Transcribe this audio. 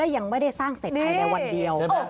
ยังไม่ได้สร้างเสร็จภายในวันเดียว